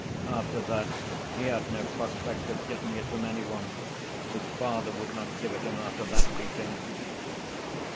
After that he had no prospect of getting it from any one; his father would not give it him after that beating.